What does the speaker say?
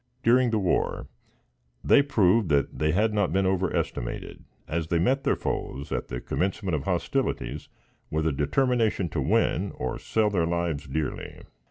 During the war, they proved that they had not been over estimated, as they met their foes, at the commencement of hostilities, with a determination to win, or sell their lives dearly.